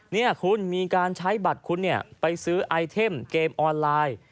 นี่คุณมีการใช้บัตรคุณไปซื้อไอเทมเกมออนไลน์